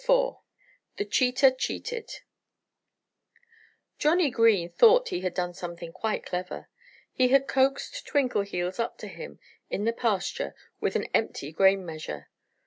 IV THE CHEATER CHEATED Johnnie Green thought he had done something quite clever. He had coaxed Twinkleheels up to him in the pasture with an empty grain measure.